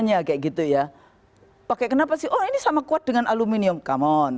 nah itu masih ada yang disimpan